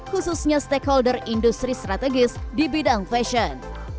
khususnya stakeholder industri strategis di bidang fashion